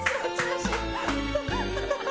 ハハハハ！